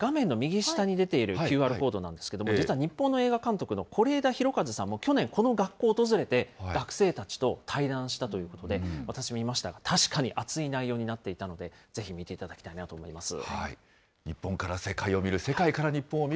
そして今、画面の右下に出ているＱＲコードなんですけれども、実は日本の映画監督の是枝裕和さんも去年、この学校を訪れて、学生たちと対談したということで、私、見ましたが、確かに熱い内容になっていたので、ぜひ見ていただきたいなと思います。